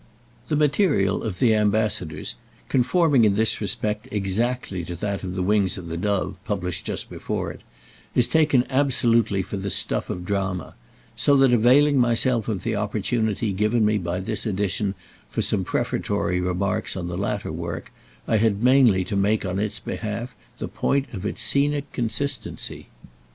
The material of "The Ambassadors," conforming in this respect exactly to that of "The Wings of the Dove," published just before it, is taken absolutely for the stuff of drama; so that, availing myself of the opportunity given me by this edition for some prefatory remarks on the latter work, I had mainly to make on its behalf the point of its scenic consistency.